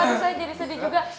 tapi saya jadi sedih juga